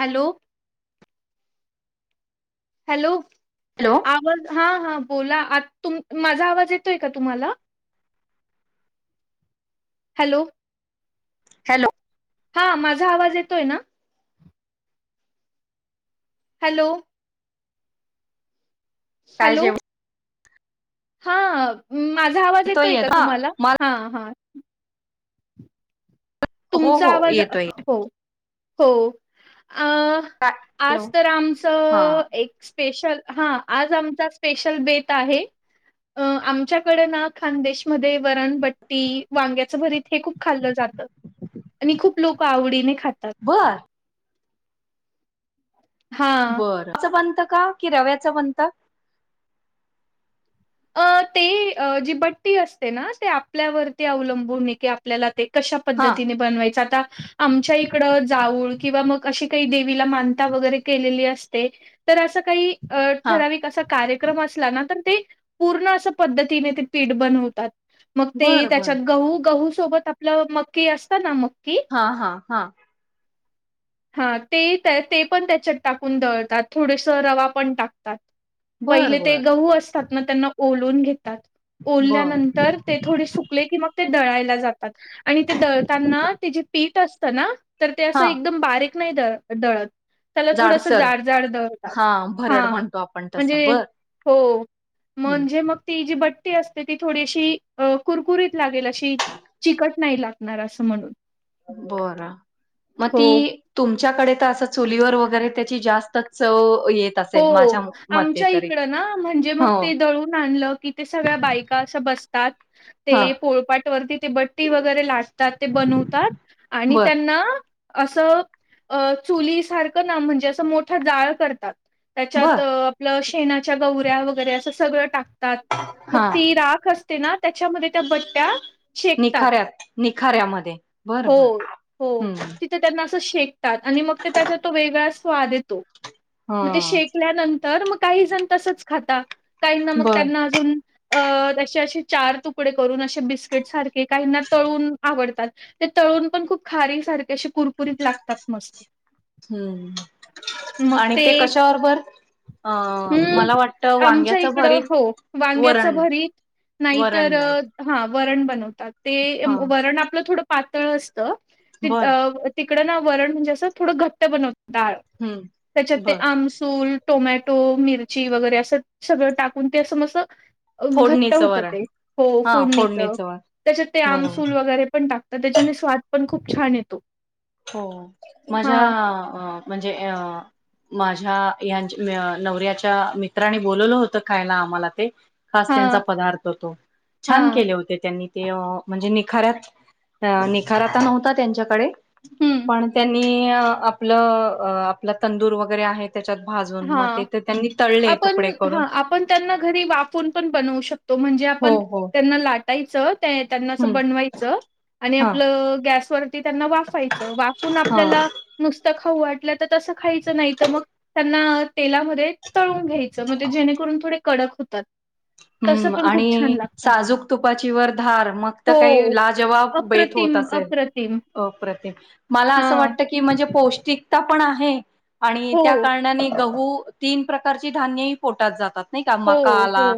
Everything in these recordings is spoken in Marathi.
हॅलो हॅलो हॅलो आवाज हा हा बोला आ तु माझा आवाज येतोय का तुम्हाला हॅलो हॅलो हा माझा आवाज येतोय ना हॅलो काय हॅलो जेव हा माझा आवाज येतोय का येत हा तुम्हाला हा मला हा हो तुमचा हो आवाज येतोय हो हो काय हॅलो आज तर हा आमचं एक स्पेशल हा आज आमचा स्पेशल बेत आहे अ आमच्याकड ना खानदेशमध्ये वरणबट्टी वांग्याचं भरीत हे खूप खाल्लं जातं आणि खूप लोक आवडीने खातात बर हा बरं त्यां बनत का की रव्याचं बनत अ ते जी बट्टी असते ना ते आपल्यावरती अवलंबून की आपल्याला ते कशा हा पद्धतीने बनवायच आता आमच्या इकड जाऊळ किंवा मग अशी काही देवीला मानता वगैरे केलेली असते तर असं काही अ हा ठराविक असा कार्यक्रम असला ना तर ते पूर्ण असं पद्धतीने ते पीठ बनवतात मग ते बर बर त्याच्यात गहू गहू सोबत आपलं मक्की असत ना मक्की हा हा हा हा ते त्या ते पण त्याच्यात टाकून दळतात थोडस रवा पण टाकतात बर पहिले ते बर गहू असतात ना त्यांना ओलून घेतात बर ओलल्यानंतर ते थोडे सुकले की मग ते दळायला जातात आणि ते दळताना ते जे पीठ असतं ना तर ते असं हा एकदम बारीक नाही द दळत त्याला थोडस जाडसर जाड जाड दळतात हा भरड हा म्हणतो आपण तसं म्हणजे बर हो हम्म म्हणजे मग ती जी बट्टी असते ती थोडीशी कुरकुरीत लागेल अशी चिकट नाही लागणार असं म्हणून बरं मग ती हो तुमच्याकडे तर असं चुलीवर वगैरे त्याची जास्त च येत असेल माझ्या हो. मते आमच्या तरी इकडं ना म्हणजे मग हो ते दळून आणलं की ते सगळ्या बायका असं बसतात ते हा पोळपाट वरती ते बट्टी वगैरे लाटतात ते बनवतात आणि बर त्यांना असं अ चुलीसारखं ना म्हणजे असं मोठं जाळ करतात. बर त्याच्यात आपलं शेणाच्या गौवऱ्या वगैरे असं सगळं टाकतात. मग हा ती राख अस ना त्याच्यामध्ये त्या बट्टया निखाऱ्यात निखाऱ्यामध्ये बरं बरं हम्म ते त्यांना अस शेकतात आणि मग ते त्याच्या तो वेगळ्या स्वाद ये मग ते हा शेकल्यानंतर मग काही जण तसच खाता काहींना मग बर त्यांना अजून अ त्याचे असे चार तुकडे करून असे बिस्किट सारखे काहीना तळून आवडतात. ते तळून पण खूप खारी सारखे असे कुरकुरीत लागतात मस्त हम्म आणि ते कशा बरोबर? हम्म आमच्या इकडं भरीत हो वांग्याच वरण भरीत नाहीतर वरण नाही अं हा वरण बनतात ते हा वरण आपलं थोड पातळ असतं बर तिकडं ना वरण म्हणजे असं थोडं घट्ट बनवता डाळ हम्म त्याच्यात ते बर आमसूल टोमॅटो मिरची वगैरे असं सगळं टाकून ते असं म असं अ घट्ट फोडणीचं होत वरण ते हो हा फोडणीच फोडणीचं वरण त्याच्यात ते बरोबर आमसूल वगैरे पण टाकतात त्याच्याने स्वाद पण खूप छान येतो हो माझ्या हां, म्हणजे अ माझ्या यां नवर्याच्या मित्रानी बोलवलं होतं खायला आम्हाला ते खास त्यांचा हां, पदार्थ तो छान हां. केले होते त्यांनी ते म्हणजे निखार्यात अ निखारा तर नव्हता त्यांच्याकडे हं. पण त्यांनी आपलं आपला तंदूर वगैरे आहे त्याच्यात भाजून मग हां. ते त्यांनी तळले तुकडे करून पण त्यांना घरी वाफून पण बनवू शकतो म्हणजे हो आपण हो त्यांना लाटायचं [unintelligible] त्यांना अस हम्म बनवायचं आणि हा आपलं गॅसवरती त्यांना वाफायचं वाफून हा आपल्याला नुसतं खाऊ वाटल्या तर तसं खायचं नाहीत मग त्यांना तेलामध्ये तळून घ्याय च म जेणेकरून ते थोडे कडक होतात. तसं हम्म पण खूप छान आणि लागतं. साजूक तुपाची वर धार मग तर काय हो. लाजवाब बेत होत अप्रतिम, अस तय अप्रतिम. अप्रतिम मला अस हां. वाटतय कि म्हणजे पौष्टिकता पण आहे आणि हो, त्या कारणाने गहू तीन प्रकारची धान्यही पोटात जातात नाही का हो, मका हो, आला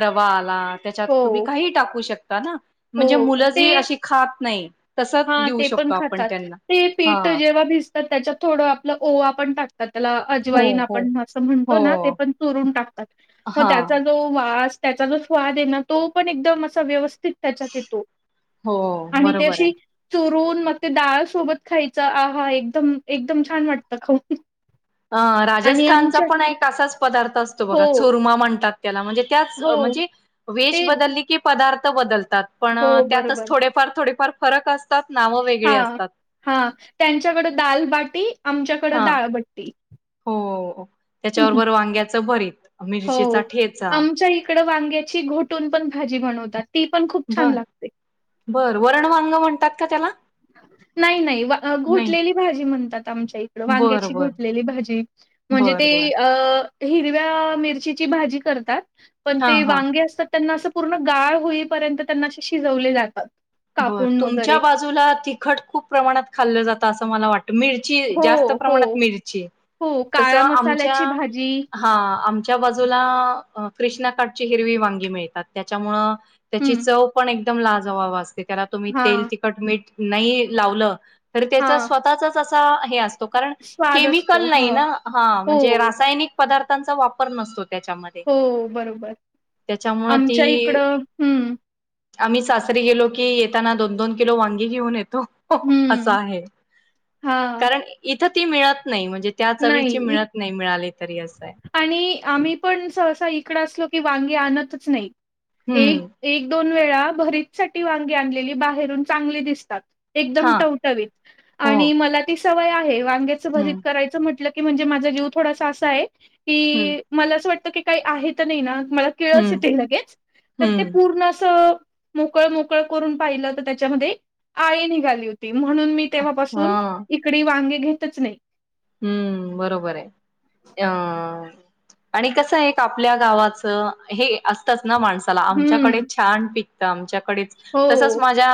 रवा आला त्याच्यात तुम्ही हो, काहीही टाकू शकता ना? हो. म्हणजे मुलं जी अशी खात नाहीत हा ते पण खातात ते हा पीठ जेव्हा भिज तात त्याच्यात थोडं आपलं ओवा पण टाकतात त्याला हो अजवाईन हो आपण असं म्हणतो हो ना ते पण चुरून टाकतात मग हा त्याचा जो वास त्याचा जो स्वादय ना तो पण एकदम असा व्यवस्थित त्याच्यात येतो हो आणि ते बरोबर आहे अशी चुरून मग ते डाळ सोबत खायचं आहा! एकदम एकदम छान वाटतं खाऊन अ आणि राजस्थानचा आमच्या पण एक असाच पदार्थ असतो हो, बघा चुरमा म्हणतात याला म्हणजे त्याच हो. म्हणजे वेश ते बदली की पदार्थ बदलतात पण हो त्यातच बरोबर. थोडे फार थोडेफार फरक असतात नाव वेग हा हा त्यांच्याकडें दालबाटी आमच्याकडें हा दाळबट्टी हो त्याच्याबरोबर वांग्याचं भरीत [inaudible] हो मिरचीचा ठेचा आमच्या इकड वांग्याची घोट टून पण भाजी बनवतात ती पण खूप छान लागते. बरं वरण वांग म्हण नाही नाही वा नाही घोटलेली भाजी म्हणतात आमच्या इ बर वांग्याची बर घोटलेली भाजी म्हणजे बर ते बर अ हिरव्या मिरचीची भाजी करतात पण हा ते हा वांगे असतात त्यांना असं पूर्ण गाळ होईपर्यंत त्यांना असे शिजवले जातात. बर कापून वगैरे. तुमच्या बाजूला तिखट खूप प्रमाणात खाल्लं जातं असं मला वाटत मिर ची हो जास्त हो प्रमाणात मिरची हो तस काळ्या आमच्या मसाल्याची भाजी हा आमच्या बाजूला कृष्णाकाठची हिरवी वांगी मिळतात त्याच्यामुळं त्याची हं. चव पण एकदम लाजवाब असते त्याला तुम्ही तेल हां तिखट मीठ नई लावलं तरी त्याचा हां. स्वतःचाच असा हे असतो कारण स्वाद असतो. केमिकल नाही हं. ना हा हो म्हणजे रासायनिक पदार्थांचा वापर नसतो त्याच्याम हो बरोबर ती आमच्या इकडं हम्म आम्ही सासरी गेलो की येताना दोन दोन किलो वांगी घेऊन येतो. असं हं. आहे हां, कारण इथं ती मिळत नाही म्हणजे त्या नाही चवीची इ मिळत नाही मिळाली तरी असंय. आणि आम्ही पण सहसा इकडं असलो की वांगी आणतच नाई एक हम्म एक दोन वेळा भरीत साठी वांगी आणलेली बाहेरून चांगली दिसतात. एकदम हा टवटवीत हो आणि मला ती सवय आहे वांग्याच भरीत हम्म करायच म्हटलं की म्हणजे माझा जीव थोडासा असा आहे हम्म की मला असं वाटतं की काही आहे तर नाही ना मला किळस हं, येते लगेच तर ते हं. पूर्ण अस मोकळ मोकळ करून पाहिलं तर त्याच्यामध्ये आळी निघाली होती म्हणून मी तेव्हापासून हां. इकडे वांगे घेतच नाही. हम्म बरोबर आहे त्या आणि कसंय एक आपल्या गावाचं हे असतच ना माणसं चला आमच्याकडे हम्म, छान पिकत आमच्याकडेच तसच हो. माझ्या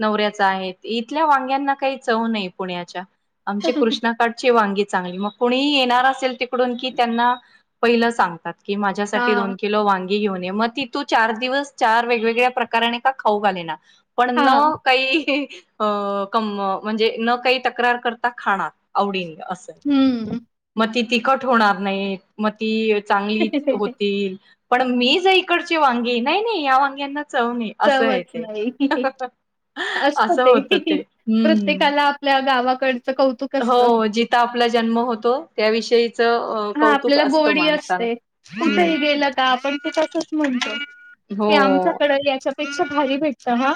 नवऱ्याचा आहे इथल्या वांग्यांना काही चव नाही पुण्याच्या आमचे कृष्णा ची वांगी चांगली मग कोणी येणार असेल तिकडून की त्यांना पहिलं सांगतात. की माझ्यासाठी दोन हां, किलो वांग गी घेऊन या म ती तू चार दिवस चार वेगवेगळ्या प्रकार का खाऊ घाले ना पण न हां. काही अ कं म्हणजे न काही तक्रार करता खाणार. आवडीनी असंय हं. म ती तिखट होणार नाही. म ती चांगली होतील. पण मी ज इकडचे वांगे नाही नाही या वांग्यांना चवं नाही. असं आहे चवच ते. नाही -असत असं ते होत हम्म. -प्रत्येकाला आपल्या गावाकडचं कौतुक असतं. हो जिथ आपला जन्म होतो त्याविषयीच हा कौतुक आपल्याला असतं गोडी माणसाला. असते कुठेही हम्म गेलं का आपण ते तसच म्हणतो. हो ते आमच्याकड याच्यापेक्षा भारी भेटत ह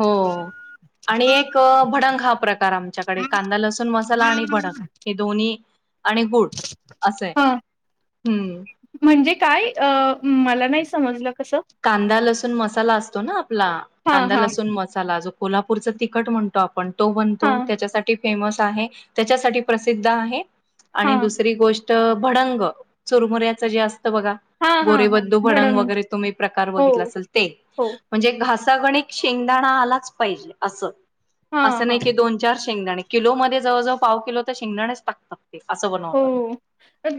हो. आणि एक भडंग हा प्रकार आमच्याकडे कांदा लसूण मसाला आणि भडंग हे दोन्ही आणि गुळ असंय हां, हम्म म्हणजे काय अ मला नाय समजलं कसं कांदा लसूण मसाला असतो ना आपला हां, कांदा हां. लसूण म साला जो कोल्हापूरचा तिखट म्हणतो आपण तो बनतो हां, त्याच्यासाठी फेमस आहे त्याच्यासाठी प्रसिद्ध आहे आणि हां. दुसरी गोष् त भडंग चुरमुऱ्याच जे असतं बघा हां, हां, हां. गोरेबंधू भडंग वगैरे तुम्ही कार हो, बघितला असेल ते हो. म्हणजे घसागणिकं शेंगदाणा आलाच पाहिजे अस हां, असं नाही हां. की दोन चार शेंगदाणे किलो मध्ये जवळजवळ पाव किलो तर शेंगदाणेच टाकतात ते असं बर हो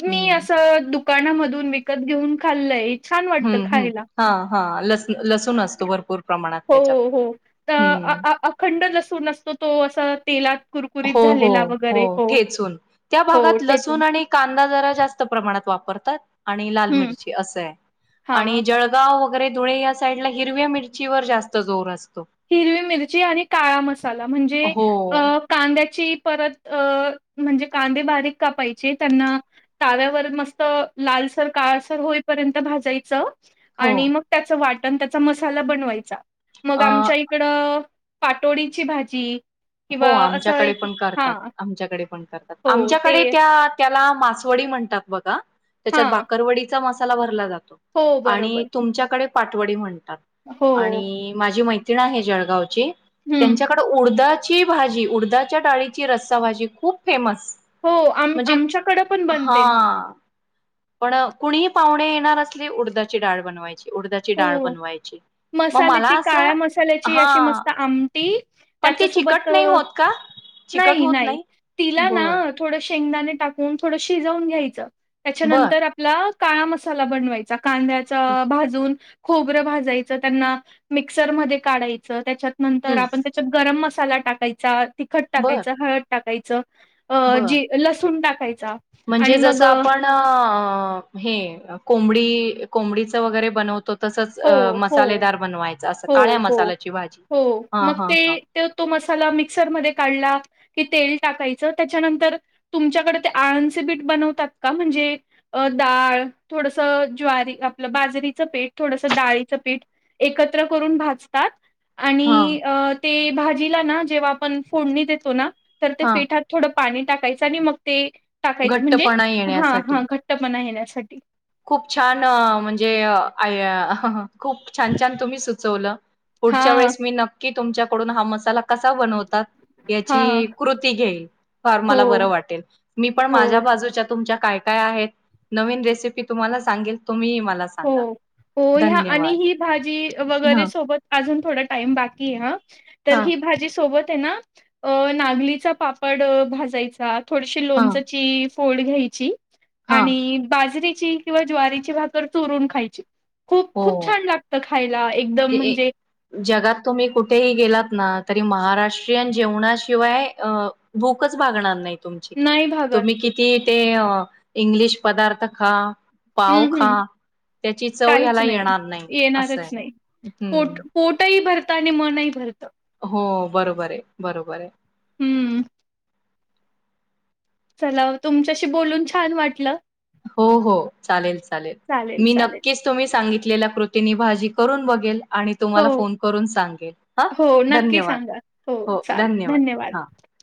मी असं दुकानामधून विकत घेऊन खाल्लंय. छान वाटतं हम्म हम्म खायला. हा हा लस लसूण असतो भरपूर प्रमाणात हो त्याच्यात हो अ अ हम्म अ अखंड लसूण असतो तो अस तेलात कुर हो हो हो ठेचून त्या हो भागात लसुण ठेचून आणि कांदा जरा जास्त प्रमाणात वापरतात आणि लाल हम्म मिरची असं हाय. हां आणि जळगाव वगैरे धुळे या साईडला हिरव्या मिरचीवर जास्त जोर असतो. हिरवी मिरची आणि काळा मसाला म्हणजे हो, अ कांद्याची परत अ म्हणजे कांदे बारीक कापायचे त्यांना ताव्यावर मस्त लालसर काळासर होईपर्यंत भाजायचं. हो. आणि मग त्याच वाटण त्याचा मसाला बनवायचा मग अ, आम तिकड पाटोडीची भाजी, किंवा हो असं आमच्याकडे एक पण करतात हां आमच्याकडे पण करतात हो ते आमच्याकडे त्यात त्याला मासवडी म्हणतात बघा त्याच्यात हां बाकरवडीचा मसाला भरला जातो. हो आणि बरोबर तुमच्याकडे पाठवडी म्हणतात हो. आणि माझी मै त्रीन आहे जळगाव ची हं. त्यांच्याकडे उडदात् ची भाजी उडदाच्या डाळीची रस्साभजी खूप फेमस. हो आम म्हणजे आमच्याकडें पण बनते ना. हा पण कुणीही पाहुणे येणार असले उडदाची डाळ बनवायची उडदाची डाळ हो. बनवायची. मग मला मसाल्याची काळ्या असं मसाल्याची हा अशी मस्त आमटी पण ती त्याच्यासोबत चिकट नाही होत का चिकट नाही होत नाही तिला बर ना, थोड शेंगदाणे टाकून थोडं शिजवून घ्यायचं बर त्याच्यानंतर आपला काळा मसाला बनवायचा चा कांद्याचा भाजून, खोबर भाजायचं त्यांना मिक्सर मध्ये काढायच त्याच्यात नंतर हम्म आपन् तेच्यात गरम मसाला टाकायचा तिखट बर टाकायच हळद टाकायचं अ बर जी लसूण टाकायचा. आणि म्हणजे मग जसं अ, आपण, अ हे कोंबडी कोंबडीच वगैरे बनवत तसच हो, हो. मसालेदार बनवायचं असं हो, काळ्या हो, मसाल्याची भाजी हा हां हां. तेव तो मसाला मिक्सरमध्ये काढला कि तेल टाकायचं त्याच्यानंतर तुमच्याकडे ते आळणचे बीठ बनवतात का म्हणजे? अ डाळ थोडस ज्वारी आपलं बाजरीचं पिठ, थोडसं डाळीचं पीठ एकत्र करून भाजतात हा आणि अ ते भाजीला ना जेव्हा आपण फोडणी देतो ना तर ते हा पिठात थोडं पाणी टाकायचं आणि मग ते टाकायचं म्हणजे घट्टपणा हा येण्यासाठी. हा घट्टपणा येण्यासाठी. खूप छान म्हणजे आया खूप छान छान तुम्ही सुचवलं. पुढच्या हां, वेळेस मी नक्की तुमच्याकडून हा मसाला कसा बनवतात याची हां. कृती घेईल फार हो, मला बरं वाटेल. मी पण हो. माझ्या बाजूच्या तुमच्या काय काय आहेत नवीन रेसिपी तुम्हाला सांगेल तुम्ही ही मला हो सांगा हो ह्या आणि धन्यवाद. ही भाजी वगैरे हां, सोबत अजून थोडा टाईम बाकी आहे ह तर हां, ही भाजी सोबत त्यांना नागलीचा पापड भाजायचा थोडीशी हां, लोणचाची फोड घ्यायची हां. आणि बाजरीची किंवा ज्वारीची भाकर चुरून खायची. खूप खूप हो. छान लागतं खायला एकदम ए ए म्हणजे जगात तुम्ही कुठेही गेलात ना तरी महाराष्ट्रीयन जेवणाशिवाय अ भूकच भागणार नाही तुमची, नाही भागत. तुम्ही किती ते इंग्लिश पदार्थ खा पाव हं खा हं त्याची चव याला येणार नाही येणारच असंय. नाही. पोट पोटही भरतं आणि मनही भरतं. हो बरोबर आहे बरोबर आहे. हम्म. चला तुमच्याशी बोलून छान वाटलं. हो हो चालेल चालेल मी नक्कीच तुम्ही सांगितलेल्या कृतीनी भाजी करून बघेल, आणि तुम्हाला हो. फोन करून सांगेल हा हो, नक्की धन्यवाद सांगा. हो चालेल. धन्यवाद. हां, हां.